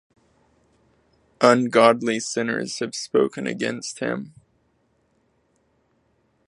Ungodly sinners have spoken against him.